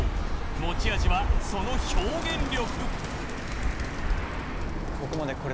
持ち味はその表現力。